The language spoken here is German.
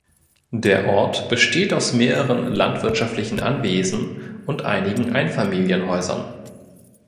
Der Ort besteht aus mehreren landwirtschaftlichen Anwesen und einigen Einfamilienhäusern.